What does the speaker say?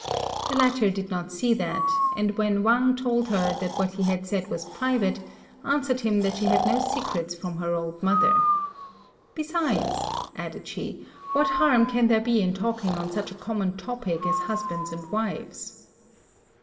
The latter did not see that; and when Wang told her that what he had said was private, answered him that she had no secrets from her old mother. "Besides," added she, "what harm can there be in talking on such a common topic as husbands and wives?"